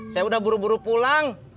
saya udah buru buru pulang